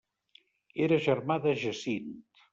Era germà de Jacint.